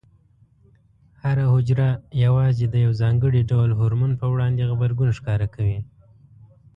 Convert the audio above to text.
هره حجره یوازې د یو ځانګړي ډول هورمون په وړاندې غبرګون ښکاره کوي.